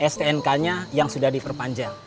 stnk nya yang sudah diperpanjang